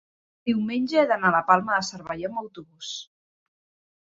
diumenge he d'anar a la Palma de Cervelló amb autobús.